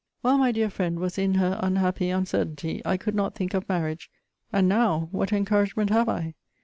While my dear friend was in her unhappy uncertainty, I could not think of marriage; and now, what encouragement have I?